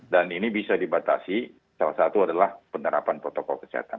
dan ini bisa dibatasi salah satu adalah penerapan protokol kesehatan